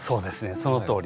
そのとおり。